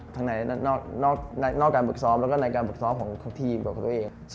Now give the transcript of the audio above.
ทั้งในนอกการบริกซ้อมและการบริกซ้อมของทีมต่อด้วยเอง